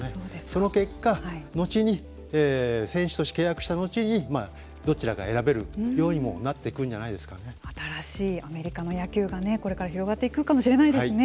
その結果、後に選手として契約した後にどちらか選べるようにもなって新しいアメリカの野球がこれから広がっていくかもしれないですね。